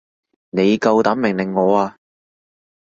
你夠膽命令我啊？